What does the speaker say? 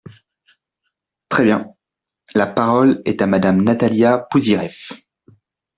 Très bien ! La parole est à Madame Natalia Pouzyreff.